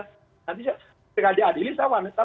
nanti saya sekadar adilis saya wanita